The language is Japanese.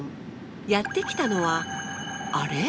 やって来たのはあれ？